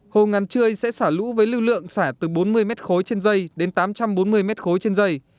hồ ngàn trươi sẽ xả lũ với lưu lượng xả từ bốn mươi mét khối trên dây đến tám trăm bốn mươi mét khối trên dây